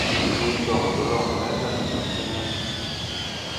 Ndi he dɔŋdɔlɔŋ wɛrga nen ɓi cee me.